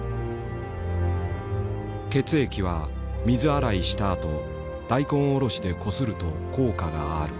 血液は水洗いしたあと大根おろしでこすると効果がある。